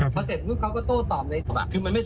พอเสร็จพรุ่งเขาก็โต้ตอบเลย